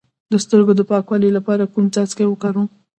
د سترګو د پاکوالي لپاره کوم څاڅکي وکاروم؟